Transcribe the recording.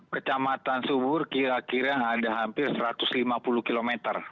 kecamatan subur kira kira ada hampir satu ratus lima puluh km